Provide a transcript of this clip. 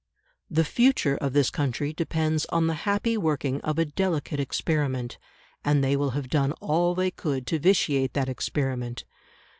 The future of this country depends on the happy working of a delicate experiment, and they will have done all they could to vitiate that experiment.